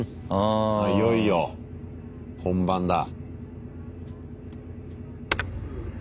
いよいよ本番だ。